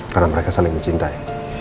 karena mereka saling mencintai